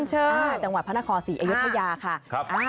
จังหวะพนคสีอยุธญาค่ะ